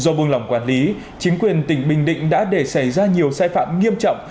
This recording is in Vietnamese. do buôn lòng quản lý chính quyền tỉnh bình định đã để xảy ra nhiều sai phạm nghiêm trọng